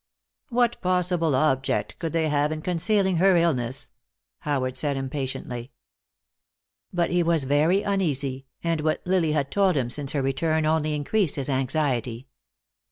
"What possible object could they have in concealing her illness?" Howard said impatiently. But he was very uneasy, and what Lily had told him since her return only increased his anxiety.